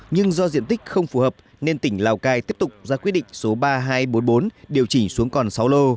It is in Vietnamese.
nhưng do diện tích không phù hợp nên tỉnh lào cai tiếp tục ra quyết định số ba nghìn hai trăm bốn mươi bốn điều chỉ xuống còn sáu lô